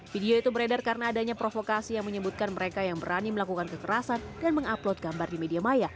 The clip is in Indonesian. video itu beredar karena adanya provokasi yang menyebutkan mereka yang berani melakukan kekerasan dan mengupload gambar di media maya